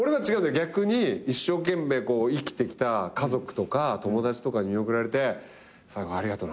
逆に一生懸命生きてきた家族とか友だちに見送られて最期ありがとな。